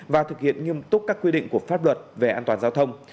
và thực hiện nghiêm túc các quy định của pháp luật về an toàn giao thông